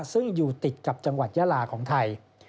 ซึ่งอยู่ติดกับจังหวัดยาลาของไทย